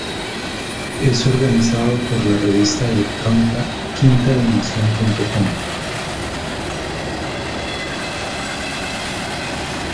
Es organizado por la revista electrónica QuintaDimension.com.